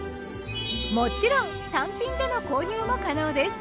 もちろん単品での購入も可能です。